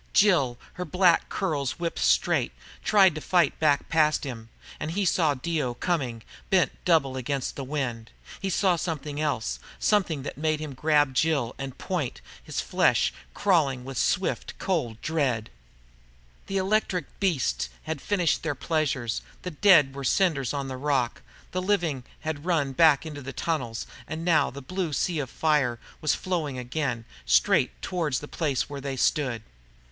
Jill, her black curls whipped straight, tried to fight back past him, and he saw Dio coming, bent double against the wind. He saw something else. Something that made him grab Jill and point, his flesh crawling with swift, cold dread. The electric beasts had finished their pleasure. The dead were cinders on the rock. The living had run back into the tunnels. And now the blue sea of fire was flowing again, straight toward the place where they stood.